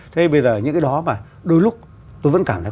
thế bây giờ những cái đó mà đôi lúc tôi vẫn cảm thấy